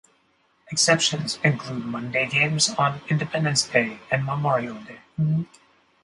Exceptions include Monday games on Independence Day and Memorial Day.